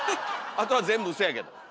あとは全部ウソやけど。